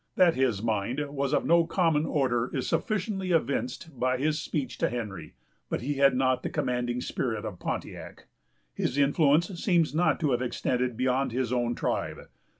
That his mind was of no common order is sufficiently evinced by his speech to Henry; but he had not the commanding spirit of Pontiac. His influence seems not to have extended beyond his own tribe.